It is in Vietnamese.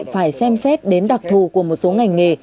phải xem xét đến đặc thù của một số ngành nghề